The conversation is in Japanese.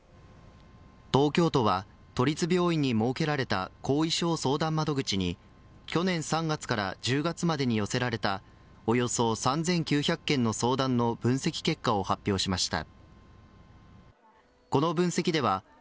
東京都は都立病院に設けられた後遺症相談窓口に去年３月から１０月までに寄せられたおよそ３９００件の相談の分析結果を発表しました。